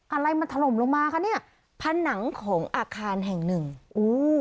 อะไรมันถล่มลงมาคะเนี้ยผนังของอาคารแห่งหนึ่งอู้